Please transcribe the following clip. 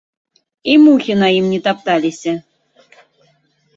І мухі на ім не тапталіся!